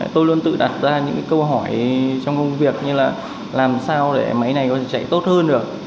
tôi luôn tự đặt ra những câu hỏi trong công việc như là làm sao để máy này có thể chạy tốt hơn được